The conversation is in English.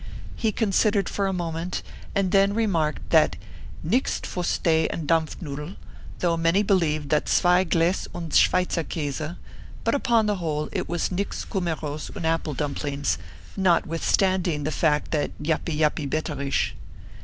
He considered for a moment and then remarked that nix fustay and dampfnoodle, though many believed that swei glass und sweitzer kase ; but upon the whole, it was nix cumarouse and apple dumplings, notwithstanding the fact thatyawpy, yawpy, betterish.